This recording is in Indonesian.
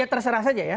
ya terserah saja ya